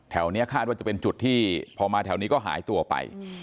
นี้คาดว่าจะเป็นจุดที่พอมาแถวนี้ก็หายตัวไป